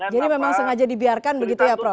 jadi memang sengaja dibiarkan begitu ya prof